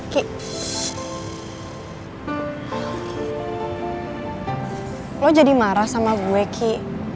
kamu jadi marah sama saya ki